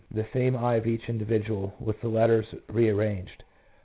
the same eye of each individual, with the letters re arranged.